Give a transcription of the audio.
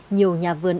nhiều nhà vườn